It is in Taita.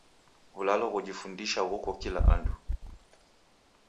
W'ulalo ghojifundisha ghoko kila andu.